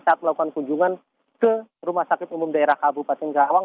saat melakukan kunjungan ke rumah sakit umum daerah kabupaten karawang